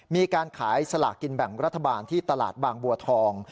มีการขายสลากกินแบ่งรัฐบาลที่ตลาดบางบัวทอง